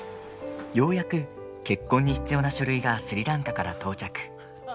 ようやく結婚に必要な書類がスリランカから到着。